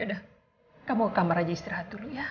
yaudah kamu ke kamar aja istirahat dulu ya